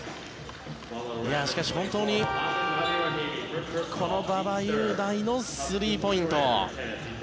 しかし、本当にこの馬場雄大のスリーポイント。